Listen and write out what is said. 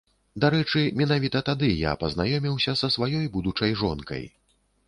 Дарэчы, менавіта тады я і пазнаёміўся са сваёй будучай жонкай.